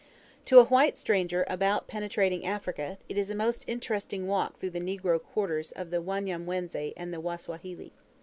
To a white stranger about penetrating Africa, it is a most interesting walk through the negro quarters of the Wanyamwezi and the Wasawahili.